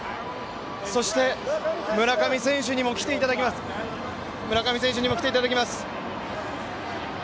そして村上選手にも来ていただきます。